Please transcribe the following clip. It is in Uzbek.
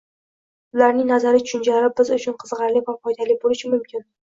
ularning nazariy tushunchalari biz uchun qiziqarli va foydali bo‘lishi mumkin.